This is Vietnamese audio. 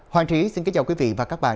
hoàng trí xin kính chào quý vị và các bạn